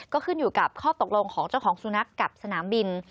ก็ขึ้นอยู่กับข้อตกลงของเจ้าของสุนัขกับสนามบิน